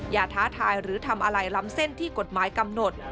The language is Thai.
ท้าทายหรือทำอะไรล้ำเส้นที่กฎหมายกำหนด